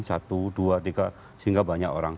satu dua tiga sehingga banyak orang